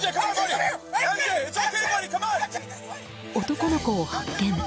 男の子を発見。